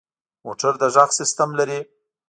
موټر د غږ سیسټم لري.